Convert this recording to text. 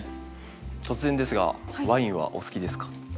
突然ですがワインはお好きですか？